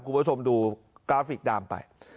คุณผู้ชมดูกราฟิกดามไป